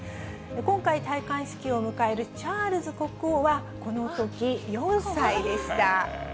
今回、戴冠式を迎えるチャールズ国王は、このとき４歳でした。